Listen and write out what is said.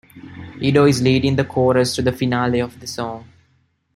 Edo is leading the chorus to the finale of the song.